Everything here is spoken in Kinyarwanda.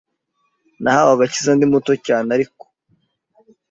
Nahawe agakiza ndi muto cyane ariko